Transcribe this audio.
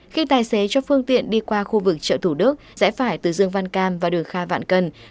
khi tài xế cho phương tiện đi qua khu vực chợ thủ đức rẽ phải từ dương văn cam và đường kha vạn cần